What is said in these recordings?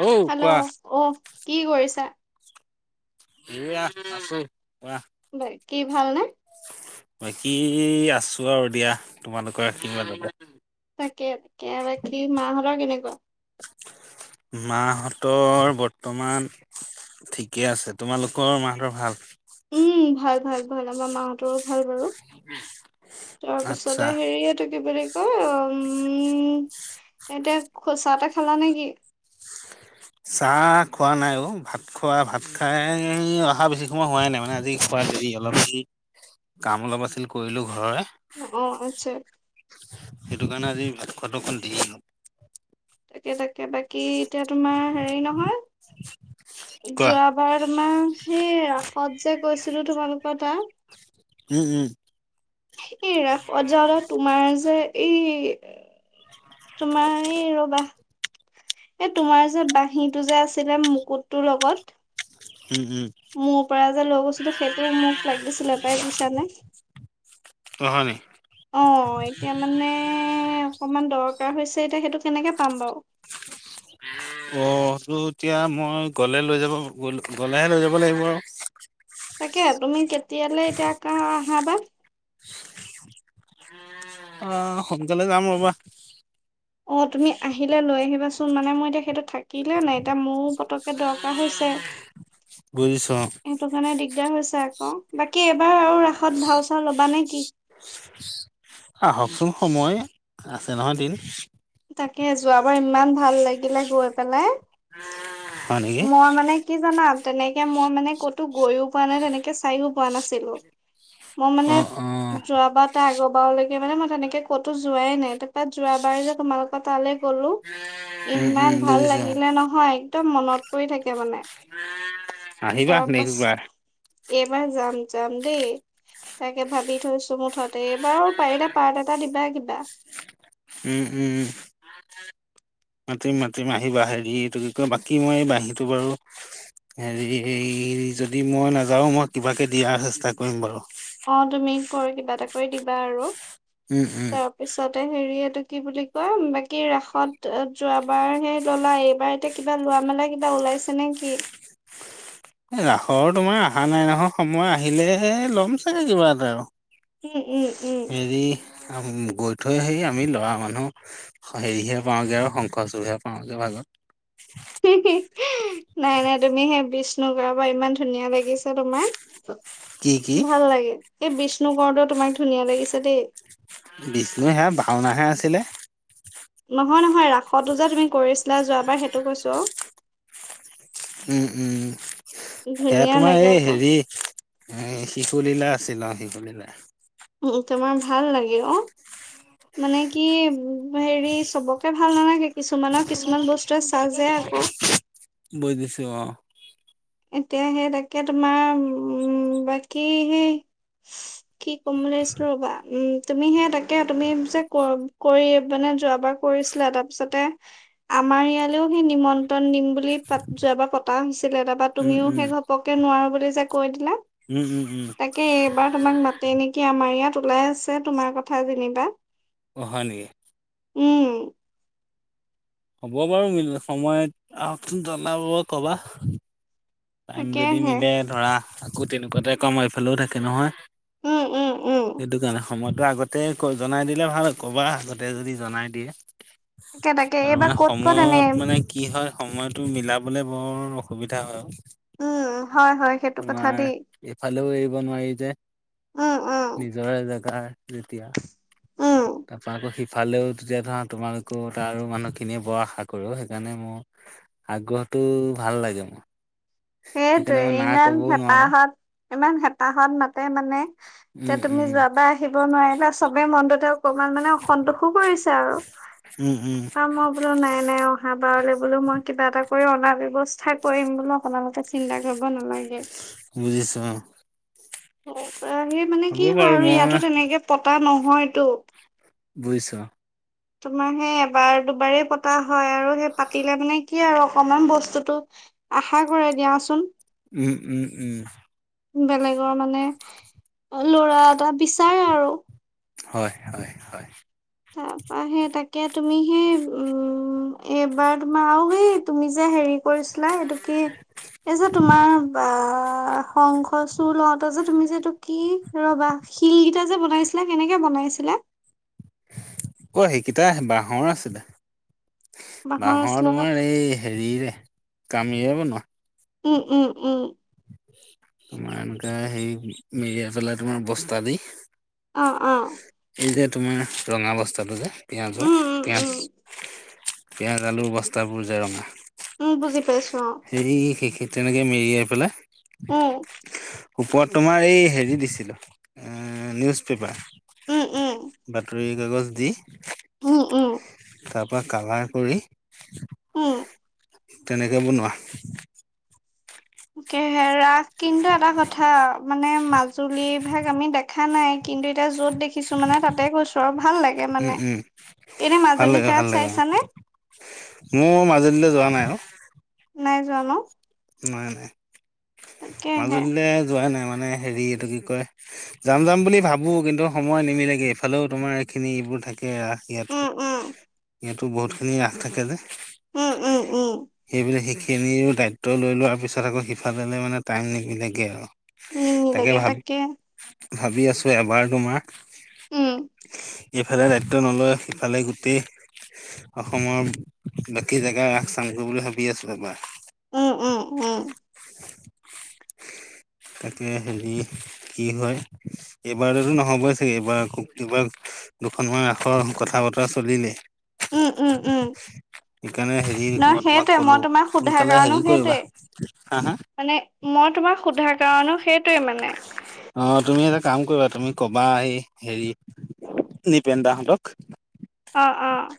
অঔ হেল্লো, কোৱা অ', কি কৰিছা? [unintelligible] আছো, কোৱা। বাকি ভাল নে? বাকী আছো আৰু দিয়া তোমালোকৰ আশীৰ্বাদতে। তাকে, [unintelligible] বাকী মাহঁতৰ কেনেকুৱা? মাহতৰ বৰ্তমান ঠিকে আছে, তোমালোকৰ মাহতৰ ভাল? উম, ভাল ভাল ভাল, আমাৰ মাহঁতৰো ভাল বাৰু। আচ্ছা তাৰপিছতে হেৰি এইটো কি বুলি উম, এতিয়া খোচা এটা খেলা নেকি? চাহ খোৱা নাই অ', ভাত খোৱা, ভাত খাই অহা বেছি সময় হোৱাই নাই মানে আজি, [unintelligible] কাম অলপ আছিল কৰিলো ঘৰৰে। অ', আতছা। সেইটো কাৰণে আজি ভাত খোৱাটো অকণ দেৰি। [unintelligible] তাকে তাকে, বাকী এতিয়া তোমাৰ হেৰি নহয় কোৱা যোৱা বাৰ তোমাৰ সেই ৰাসত যে গৈছিলো তোমালোকৰ তাত উম উম। এই ৰাসত যাওঁতে তোমাৰ যে এই তোমাৰ এই ৰ'বা এ তোমাৰ যে বাঁহীটো যে আছিলে মুকুতটোৰ লগত উম উম। মোৰ পৰা যে লৈ গৈছিলো সেইটো মোক লাগিছিলে পাই বুজিছা নে। অ', হয়নি? অ', এতিয়া মানে অকণমান দৰকাৰ হৈছে এতিয়া সেইটো কেনেকৈ পাম বাৰু? অ', এটো এতিয়া মই গলে লৈ যাব, গলেহে লৈ যাব লাগিব আৰু। তাকে তুমি কেতিয়ালৈ এতিয়া কা আহাবা? অ', সোনকালে যাম ৰ'বা। অ', তুমি আহিলে লৈ আহিবাচোন মানে মই এতিয়া সেইটো থাকিলে নাই এতিয়া মোৰো পতককে দৰকাৰ হৈছে। [inaudible] বুজিছো অ'। সেইটো কাৰণে দিগদাৰ হৈছে আকৌ। বাকী এইবাৰ আৰু ৰাসত ভাও চাও ল'বা নে কি? আহকচোন সময়, আছে নহয় এদিন। তাকে যোৱাবাৰ ইমান ভাল লাগিলে গৈ পেলাই। হয় নেকি? মই মানে কি জানা, তেনেকে মই মানে ক'তো গৈইও পোৱা নাই, তেনেকে চাইও পোৱা নাছিলো। মোৰ মানে অ', অ', যোৱাবাৰ তাৰ আগৰবাৰ লৈকে মানে মই তেনেকে ক'তো যোৱাই নাই, তাৰ তাত যোৱাবাৰ যে তোমালোক [unintelligible] তালৈ গ'লো, উম, উম, ইমান ভাল বুজিছোঁ। লাগিলে নহয় একদম মনত পৰি থাকে মানে। আহিবা তাৰ পাছ নেক্সট বাৰ। এইবাৰ যাম যাম দেই। তাকে ভাবি থৈছো মুঠতে, এইবাৰো পাৰিলে পাৰ্ট এটা দিবা কিবা। উম উম উম। মাতিম মাতিম আহি বা হেৰি এইটো কি কয় বাকী মই বাঁহীটো বাৰু। হেৰি যদি মই নাযাও মই কিবাকে দিয়াৰ চেষ্টা কৰিম বাৰু। অ তুমি কৰি কিবা এটা কৰি দিবা আৰু। উম হুম। পিছতে হেৰি এইটো কি বুলি কয় বাকি ৰাসত যোৱাবাৰ হে ললা এইবাৰ এতিয়া, কিবা লোৱা মেলা কিবা ওলাইছে নে কি? এই ৰাসৰ তোমাৰ অহা নাই নহয় সময় আহিলেহে ল'ম ছাগৈ কিবা এটা আৰু। এ এ এ। হেৰি গৈ থৈ আহে আমি ল'ৰা মানুহ। সেৰিহে পাওঁগে আৰু শংকৰ চোৰহে পাওঁগে ভাগত। নাই নাই তুমি সেই বিষ্ণু কৰা পৰা ইমান ধুনীয়া লাগিছে তোমাক। কি কি ভাল লাগে এই বিষ্ণু কৰোটেউ তোমাক ধুনীয়া লাগিছে দেই। বিষ্ণু সেয়া ভাওনাহে আছিলে। নহয় নহয় ৰাসতো যে কৰিছিলা যোৱাবাৰ সেইটো কৈছো অ। উম উম অ সেয়া ধুনীয়া তোমাৰ লাগে এই আকৌ হেৰি। এ শিশুলীলা আছিল অ শিশুলীলা। উ তোমাৰ ভাল লাগে অ মানে কি হেৰি চবকে, ভাল নালাগে কিছুমানৰ কিছুমান বস্তুৱে চা যে আক। বৈ দিছো অ। এতিয়া সেই তাকে তোমাৰ উম বাকী সেই। কি ক'ম বুলি ভাবিছিলো ৰ'বা উম তুমি সেই তাকে তুমি যে ক কৰি মানে যোৱাবাৰ কৰিছিলা তাৰপিছতে, আমাৰ ইয়ালেও সেই নিমন্ত্ৰণ দিম বুলি, বুলি যোৱাবাৰ পতা তাৰপা উম তুমিও উম ঘপকে নোৱাৰো বুলি যে কৈ দিলা। উম উম উম। কে এইবাৰ তোমাক মাতে নেকি আমাৰ ইয়াত ওলাই আছে তোমাৰ কথা যেনিবা। অ হয় নেকি? উম। হ'ব বাৰু মিল সময়ত আহকচোন জনাব কবা। টাইম যদি তাকেহে মিলে ধৰা আকৌ তেনেকুৱাতে কাম আমাৰ এইফালেও থাকে নহয়। উম উম উম। সেইটো কাৰণে সময়তটো আগতে জনাই দিলে ভাল ক'বা আগতে যদি জনাই দিয়ে। তাকে তাকে আৰু এইবাৰ মানে ক'ত ক'ত এনে সময়ত মানে, কি হয় সময়টো মিলাবলে বৰ অসুবিধা হয় অ। উম হয় হয়। সেইটো কথা তোমাৰ দেই এইফালেও এৰিব নোৱাৰি যে উম উম নিজৰ জেগাৰ। যেতিয়া উম তাৰ পৰা আকৌ সি ফালেও তেতিয়া ধৰা তোমালোকে তাৰ আৰু মানুহখিনিয়ে বৰ আশা কৰ সেইকাৰণে মোৰ, আগ্ৰহটো ভাল লাগে মোৰ। সেইটোৱে সেইকাৰণে মই না ইমান ক'বও নোৱাৰো হেপাহত ইমান হেপাহত মাতে মানে। তেতিয়া উম তুমি উম যাবাই। উঠিব নোৱাৰিলে চবে মনটোতে অকমান মানে অসন্তোষো কৰিছে আৰু উম উম ত মই, বোলো নাই নাই অহা বাৰলৈ বোলো মই কিবা এটা কৰি অনা ব্যৱস্থা কৰিম বোলো। আপোনালোকে চিন্তা কৰিব নালাগে। বুজিছোঁ অ'। তাৰ পৰা সেই মানে হ'ব কি হয় বাৰু আৰু ইয়াতো মই তেনেকে পতা নহয়তো। বুজিছোঁ অ'। অ তোমাৰ সেই এবাৰ-দুবাৰেই পতা হয় আৰু সেই পাতিলে মানে কি আৰু অকমান বস্তুটো আশা কৰে দিয়াচোন। উম উম উম। বেলেগৰ মানে, ল'ৰা এটা বিচ হয় হয়। হয় তাৰ পৰা সেই তাকে তুমি সেই উম এইবাৰ তোমাৰ আৰু সেই তুমি যে হেৰি কৰিছিলা, এইটো কি, এই যে তোমাৰ বা শঙ্খচূ়ড় লওঁতে যে তুমি যে এইটো কি, ৰ'বা, শিলকেইটা যে বনাইছিলা, কেনেকে বনাইছিলা? অ', সেইকেইটা বাঁহৰ আছিলে, বাঁহৰ আছিলে ন তোমাৰ এই হেৰিৰে, কামিৰে বনোৱা। উম উম উম। তোমাৰ এনেকা হেৰি, মেৰিয়াই পেলাই তোমাৰ বস্তা দি অ' অ'। এই যে তোমাৰ ৰঙা বস্তাটো যে পিয়াঁজৰ, উম উম পিয়াঁজ উম পিঁয়াজ, আলুৰ বস্তাবোৰ যে ৰঙা উম, বুজি পাইছোঁ অ'। এই সেই তেনেকৈ মেৰিয়াই পেলাই অ ওপৰত তোমাৰ এই হেৰি দিছিলোঁ, এ নিউজ পেপাৰ। উম উম। বাতৰি কাগজ দি, উম উম উম তাৰ পৰা কালাৰ কৰি উম। তেনেকৈ বনোৱা। কেহে এৰা, কিন্তু এটা কথা, মানে মাজুলী ভাগ আমি দে দেখা নাই, কিন্তু এতিয়া য'ত দেখিছোঁ মানে তাতে কৈছোঁ ভাল লাগে উম মানে, উম এনেই ভাল লাগে মাজুলীত ভাল ৰাস লাগে চাইছানে? মোৰ মাজুলীলৈ যোৱা নাই অ'। নাই যোৱা ন? নাই নাই, তাকেহে মাজুলীলৈ যোৱাই নাই, মানে হেৰি এইটো কি কয় যাম যাম বুলি ভাৱোঁ, কিন্তু সময় নিমিলেগে, এইফালেও তোমাৰ এইখিনি এইবোৰ থাকে ৰাস ইয়াতো, উম উম ইয়াতো বহুতখিনি ৰাস থাকে যে। উম উম উম সেইবিলাক-সেইখিনিও দায়ি ত্ব লৈ লোৱাৰ পিছত আকৌ সিফাললে মানে টাইম নিবিলেগৈ আৰু, তাকে ভাৱি ভাৱি আছোঁ, এবাৰ তোমাৰ উম এইফালে দায়িত্ব নলৈ সিফালে গোটেই অসমৰ বাকী জেগাৰ ৰাস চামগৈ বুলি ভাৱি আছোঁ এইবাৰ। উম উম উম। তাকে হেৰি কি হয়, এইবাৰতোতো নহ'বই চাগে, এইবাৰ আকৌ কিবা দুখনমান ৰাসৰ কথা বতৰা চলিলেই। উম উম উম, সেইকাৰণে হেৰি মই নহয় তোমাক সেইটোৱেই, মই ক'লো তোমাক সোধাৰ সোনকালে কাৰণো হেৰি কৰিবা সেইটোৱে, হা হা মানে মই তোমাক সুধাৰ কাৰণো সেইটোৱে মানে। অ তুমি এটা কাম কৰিবা তুমি কবা এই, হেৰি নিপেন দাহঁতক। অৱ অৱ।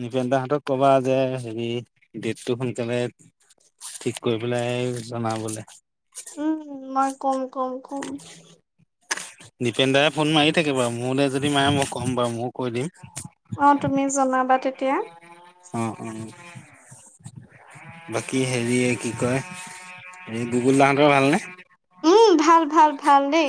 নিপেন দাহঁতক কবা যে হেৰি ডেটটো সোনকালে ঠিক কৰি পেলাই জনাবলে। উম মই কম কম কম। দীপেন দাই ফোন মাৰি থাকে বাৰু মোৰলৈ যদি মাৰে মই ক'ম বাৰু ময় কৈ দিম। অ তুমি জনাবা তেতিয়া। অৱ অৱ। বাকী হেৰি কি কয়, হেৰী গুগুল দাহঁতৰ ভালনে! উম ভাল ভাল ভাল দেই।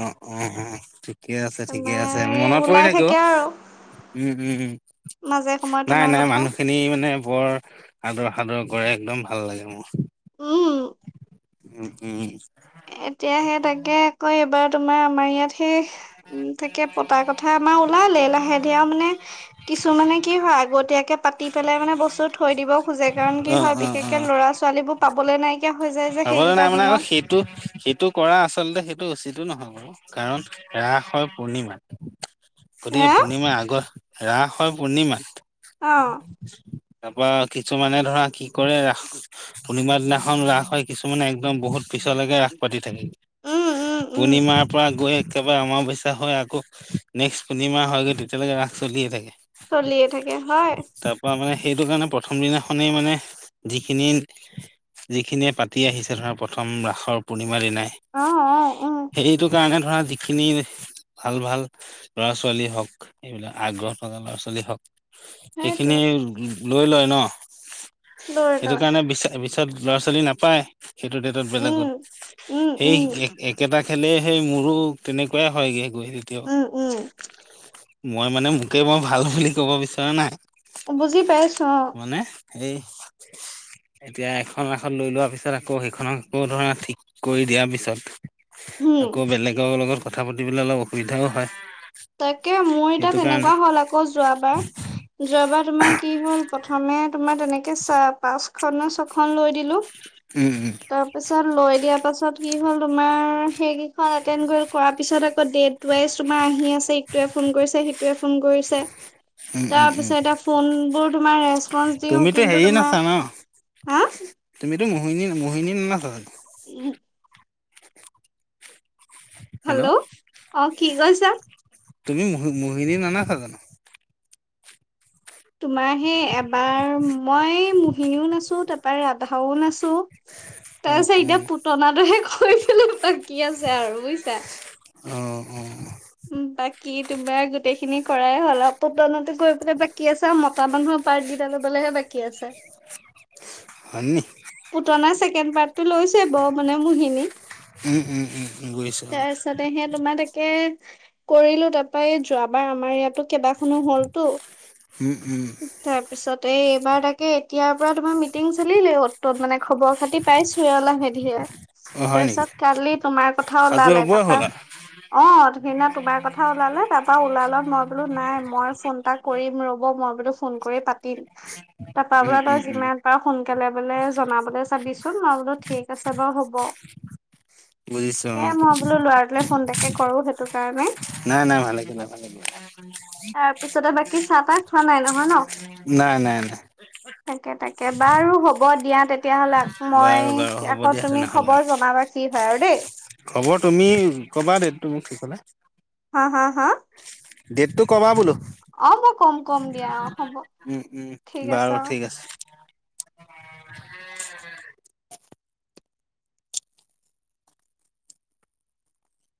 অৱ অৱ অৱ ঠিক। ঠিকে আছে ঠিকে আছে তোমাৰ এই মনত পৰি ওলাই থাকো থাকে অ' আৰু উম উম। মাজে সময়তে নাই তোমাক নাই মানুহখিনি মানে বৰ আদৰ সাদৰ কৰে একদম ভাল লাগে মোৰ। উম। উম উম। এতিয়া সেই তাকে আকৌ এইবাৰ তোমাৰ আমাৰ ইয়াত সেই উম তাকে পতাৰ কথা আমাৰ ওলালে লাহে ধীৰে আৰু মানে কিছুমানে কি হয় আগতীয়াকে পাতি পেলাই মানে বস্তু থৈ দিব খোজে কাৰণ অ কি হয়, অ বিশেষ অ কেন ল'ৰা-ছোৱালী বোৰ পাবলৈ নাইকিয়া হৈ যায় যে চাবলৈ নাই সেইকেইটা মানে আকৌ দিনত। সেইটো সেইটো কৰা আচলতে সেইটো উচিতো নহয় বাৰু কাৰণ ৰাস হয় পূৰ্ণিমাত। হে গতিকে পূৰ্ণিমাৰ আগৰ ৰাস হয় পূৰ্ণিমা। অৱ। তাৰপৰা কিছুমানে ধৰা কি কৰে ৰাস পূৰ্ণিমাৰ দিনাখন ৰাস হয, কিছুমানে একদম বহুত পিছলৈকে ৰাস পাতি থাকে। উম উম উম পূৰ্ণিমাৰ পৰা গৈ একেবাৰে আমাৰ অমৱস্যা হয় আকৌ নেক্সট পূৰ্ণিমা হয়গৈ তেতিয়ালৈকে ৰাস চলিয়ে থাকে। চলিয়ে থাকে হয়। তাৰ পৰা মানে সেইটো কাৰণে প্ৰথম দিনাখনেই মানে যিখিনি যিখিনিয়ে পাতি আহিছে ধৰা প্ৰথম ৰাসৰ পূৰ্ণিমাৰ দিনাই, অ অ উম সেইটো কাৰণে ধৰা খিনি ভাল ভাল ল'ৰা-ছোৱালী হওক, এইবিলাক আগ্ৰহ থকা ল'ৰা-ছোৱালী হওক সেইখিনি সেইটোৱে লৈ লয় ন, লৈ সেইটো লয় কাৰণে বিশ্বাস তাৰপিছত ল'ৰা-ছোৱালী নাপায় সেইটো ডেটত উম বেলেগত, উম সেই উম একেটা খেলে সেই মোৰো তেনেকুৱাই হয়গৈ গৈ তেতিয়াও উম মই মানে মোকেই মই ভাল ক'ব বিচৰা নাই। বুজি পাইছোঁ অৱ। মানে এই এতিয়া এখন ৰাসত লৈ লোৱাৰ পিছত আকৌ সেইখনক আকৌ ধৰা ঠিক কৰি দিয়াৰ উম পিছত আকৌ বেলেগৰ লগত কথা পাতিবলৈ অলপ অসুবিধাও হয়। তাকে মোৰ এতিয়া সেইটো তেনেকুৱা কাৰণে হ'ল আকৌ যোৱাবাৰ, যোৱাবাৰ তোমাৰ কি হ'ল প্ৰথমে তোমাৰ তেনেকে চা পাঁচ না ছখন লৈ দিলোঁ। উম উম। তাৰপিছত লৈ দিয়াৰ পাছত কি হ'ল তোমাৰ সেইকেইখন এটেণ্ড কৰি কৰাৰ পিছত আকৌ ডেট টোৱাইছ তোমাৰ আহি আছে ইটোৱে ফোন কৰিছে, সিটোৱে ফোন কৰিছে। তাৰপিছত এতিয়া ফোনবোৰ তোমাৰ ৰেচপন্ঞ্চ দিও, তুমিতো কিন্তু হেৰি নাচা তোমাৰ- ন হা তুমিতো মোহিনী -মোহিনী নামা হয়। উম। হেল্ল', অঁ কি কৈছা? তুমি মো-মোহিনী নানাচা জানো? তোমাৰ সেই এবাৰ মই মোহিনীও নাচো তাৰপৰা ৰাধাও নাচো। অ তাৰ পিছত অ এতিয়া পুতলাটোৱেহে কৰিবলে বাকী আছে আৰু বুজিছা। অঁ, অঁ। বাকী তোমাৰ গোটেই খিনি কৰাই হ'ল, পতনাতো গৈ পেলাই বাকী আছে আৰু ম- মতা মানুহৰ পাৰ্ট কেইটা ল'বলেহে বাকী আছে। হয় নি? পুটনাৰ চেকেণ্ড পাৰ্ট- টো লৈছে বাৰু মানে মহিনী উম উম উম বুজিছো অ তাৰপিছতে সে তোমাৰ- তে কৰিলো তাৰপৰা যোৱাবাৰ আমাৰ ইয়াতো- কেইবাখনো হলতো। উম উম তাৰ পিছত এই তাকে এতিয়াৰ পৰা তোমাৰ মিটিং চলিলেই হ'ল। তো মানে খবৰ খাতি পাইছোহে অ লাহে ধিৰে। অ হয় নেকি তাৰপিছত কালি তোমাৰ কথা সাজু ওলালে হবই হ'ল তাৰপৰা- আও অঁ, সেইদিনা তোমাৰ কথা ওলালে তাৰপৰা ওলাল লত মই বোলো নাই, মই ফোন তাক- কৰিম ৰ'ব মই বোলো ফোন কৰি পাতিম। তাৰপা উম বোলে উম তই উম যিমান পাৰ সোনকালে বোলে- জনাবলে চাবিচোন। মই বোলো থিক আছে বাৰু হ'ব। বুজিছো অ সেয়া মই বোলো ল'ৰাটোলে ফোন এটাকে কৰো সেইটো কাৰণে। নাই নাই ভালে কৰিলা ভালে তাৰপিছতে বাকী চাহ তাহ খোৱা নাই নহয় ন? কৰিলা নাই নাই নাই তাকে- তাকে, বাৰু হ'ব দিয়া। তেতিয়াহ'লে আকৌ মই বাৰু বাৰু হ'ব আকৌ দিয়া তুমি তেনেহ'লে আৰু খবৰ জনাবা কি হয় আৰু দেই। খবৰ তুমি কবা দেট। তুমি মোক কি কলা? হা -হা -হা? ডেটটো কবা বোলো। অঁ, মই কম -কম দিয়া। হ'ব উম উম ঠিক আছে বাৰু অঁ। ঠিক আছে।